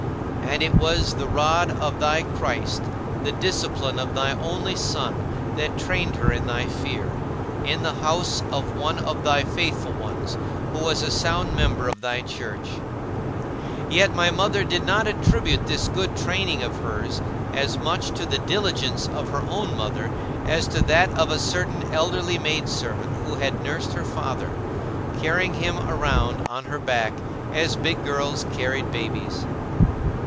And it was the rod of thy Christ, the discipline of thy only Son, that trained her in thy fear, in the house of one of thy faithful ones who was a sound member of thy Church. Yet my mother did not attribute this good training of hers as much to the diligence of her own mother as to that of a certain elderly maidservant who had nursed her father, carrying him around on her back, as big girls carried babies.